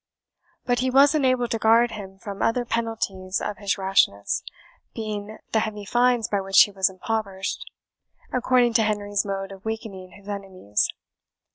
But he was unable to guard him from other penalties of his rashness, being the heavy fines by which he was impoverished, according to Henry's mode of weakening his enemies.